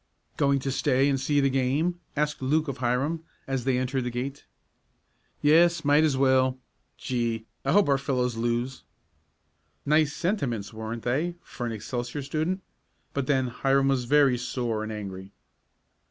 "Going to stay and see the game?" asked Luke of Hiram, as they entered the gate. "Yes, might as well. Gee! But I hope our fellows lose!" Nice sentiments, weren't they for an Excelsior student? But then Hiram was very sore and angry.